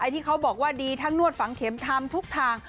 ที่เขาบอกว่าดีทั้งนวดฝังเข็มทำทุกทาง